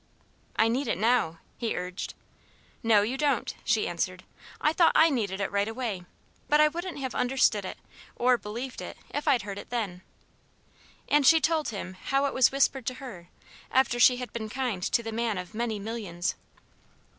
"I need it now," he urged. "No, you don't," she answered. "I thought I needed it right away, but I wouldn't have understood it or believed it if I'd heard it then." And she told him how it was whispered to her, after she had been kind to the man of many millions.